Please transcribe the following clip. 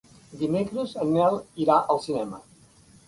Dimecres en Nel irà al cinema.